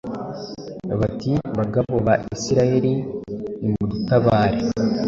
bati, “Bagabo ba Isirayeli, nimudutabare